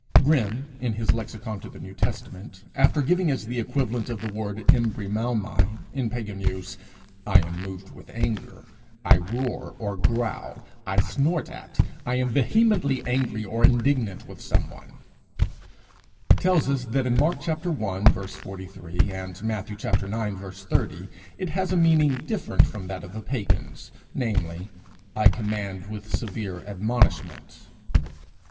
Grimm, in his lexicon to the New Testament, after giving as the equivalent of the word [Greek: embrimaomai] in pagan use, 'I am moved with anger,' 'I roar or growl,' 'I snort at,' 'I am vehemently angry or indignant with some one,' tells us that in Mark i. 43, and Matthew ix. 30, it has a meaning different from that of the pagans, namely, 'I command with severe admonishment.'